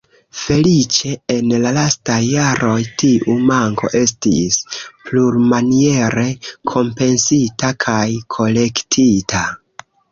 Feliĉe, en la lastaj jaroj, tiu manko estis plurmaniere kompensita kaj korektita.